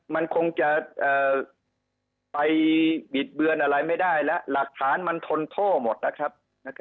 มันคงจะไปบิดเบือนอะไรไม่ได้แล้วหลักฐานมันทนโทษหมดนะครับ